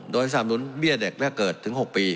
โดยสนับหนุนเบี้ยเด็กและเกิดถึง๖ปี